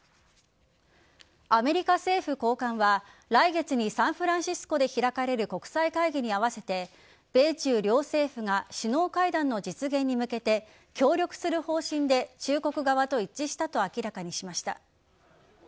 アメリカ政府高官は来月にサンフランシスコで開かれる国際会議に合わせて米中両政府が首脳会談の実現に向けて協力する方針で中国側と一致したと明らかにしました。